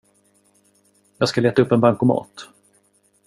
Jag ska leta upp en bankomat.